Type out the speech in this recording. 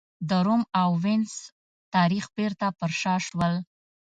د روم او وینز تاریخ بېرته پر شا شول.